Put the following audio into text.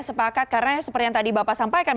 sepakat karena seperti yang tadi bapak sampaikan